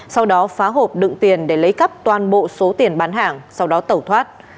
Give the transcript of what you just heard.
sau đó phá hộp đựng tiền để lấy cắp toàn bộ số tiền bán hàng sau đó tẩu thoát